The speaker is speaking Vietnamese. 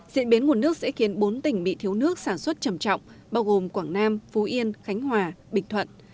diễn biến nguồn nước sẽ khiến bốn tỉnh bị thiếu nước sản xuất trầm trọng bao gồm quảng nam phú yên khánh hòa bình thuận